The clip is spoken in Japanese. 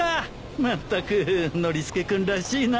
まったくノリスケ君らしいな。